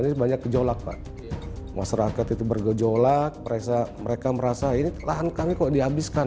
ini banyak gejolak pak masyarakat itu bergejolak merasa mereka merasa ini lahan kami kok dihabiskan